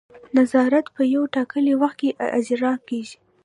نظارت په یو ټاکلي وخت کې اجرا کیږي.